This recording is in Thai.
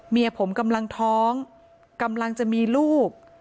เมียผมกำลังท้องกำลังจะมีลูก